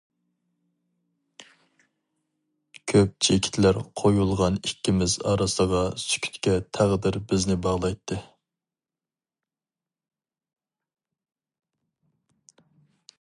كۆپ چېكىتلەر قويۇلغان ئىككىمىز ئارىسىغا سۈكۈتكە تەقدىر بىزنى باغلايتتى!